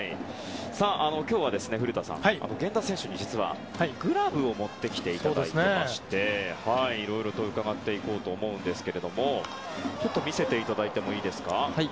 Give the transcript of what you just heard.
今日は古田さん、源田選手に実はグラブを持ってきていただいていましていろいろ伺っていこうと思いますが見せていただいてもいいですか？